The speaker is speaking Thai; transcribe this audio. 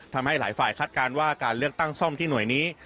ทำให้หลายฝ่ายคาดการณ์ว่าการเลือกตั้งซ่อมที่หน่วยนี้